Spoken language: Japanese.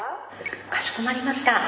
かしこまりました。